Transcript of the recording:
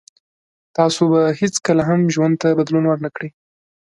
تاسو به هیڅکله هم ژوند ته بدلون ور نه کړی